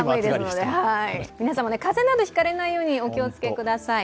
皆さんも風邪など引かれないようお気をつけください。